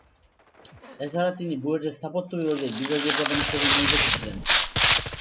এছাড়া তিনি বুয়েটের স্থাপত্য বিভাগের বিভাগীয় প্রধান হিসেবেও নিয়োজিত ছিলেন।